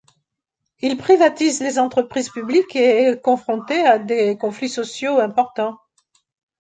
Il privatise les entreprises publiques et est confronté à des conflits sociaux importants.